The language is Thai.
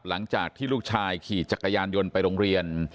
หลังจากที่ลูกชายขี่จักรยานยนต์ไปโรงเรียน